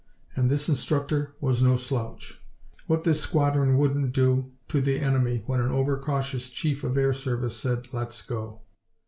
And this instructor was no slouch. What this squadron wouldn't do to the enemy when an over cautious Chief of Air Service said "Let's go!"